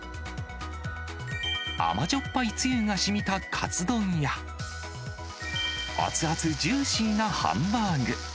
甘じょっぱいつゆがしみたカツ丼や、熱々ジューシーなハンバーグ。